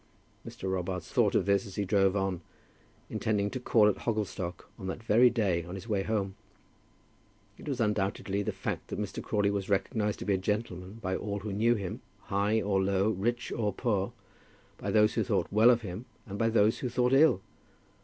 Mr. Robarts thought of this as he drove on, intending to call at Hogglestock on that very day on his way home. It was undoubtedly the fact that Mr. Crawley was recognized to be a gentleman by all who knew him, high or low, rich or poor, by those who thought well of him and by those who thought ill.